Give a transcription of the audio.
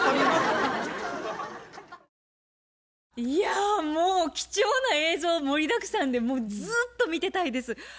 いやもう貴重な映像盛りだくさんでもうずっと見てたいです。